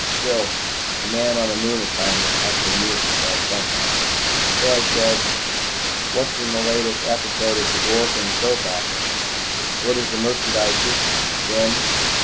Still, a man on a Moon assignment has to amuse himself somehow. So I said, "What's the latest episode in the Dworken soap opera? What is the merchandise this time? Gems?